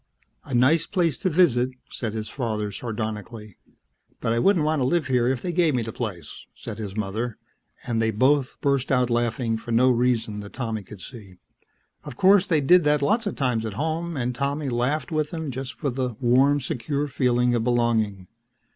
"... 'A nice place to visit' ..." said his father sardonically. "... 'but I wouldn't live here if they gave me the place!' ..." said his mother, and they both burst out laughing for no reason that Tommy could see. Of course, they did that lots of times at home and Tommy laughed with them just for the warm, secure feeling of belonging.